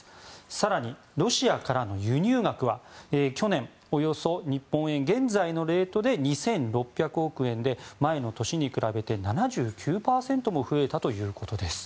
更に、ロシアからの輸入額は去年およそ日本円現在のレートで２６００億円で前の年に比べて７９％も増えたということです。